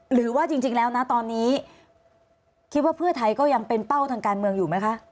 หรือว่าจริงแล้วนะตอนนี้คิดว่าเพื่อไทยก็ยังเป็นเป้าทางการเมืองอยู่ไหมคะ